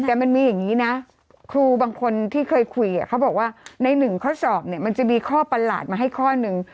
แต่มันมีอย่างนี้นะครูบางคนที่เคยคุยเขาบอกว่าในหนึ่งข้อสอบเนี่ยมันจะมีข้อประหลาดมาให้ข้อหนึ่ง